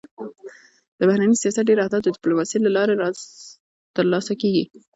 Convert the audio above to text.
د بهرني سیاست ډېری اهداف د ډيپلوماسی له لارې تر لاسه کېږي.